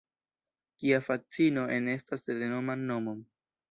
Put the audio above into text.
Kia fascino enestas renoman nomon!